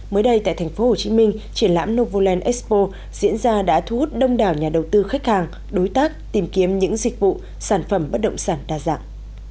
mới đây tại thành phố hồ chí minh triển lãm novoland expo diễn ra đã thu hút đông đảo nhà đầu tư khách hàng đối tác tìm kiếm những dịch vụ sản phẩm bất động sản đa dạng